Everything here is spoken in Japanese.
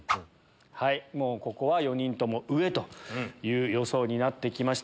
ここは４人とも上という予想になってきました。